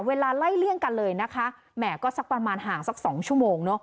เวลาไล่เลี่ยงกันเลยนะคะแหมก็สักประมาณห่างสัก๒ชั่วโมงเนอะ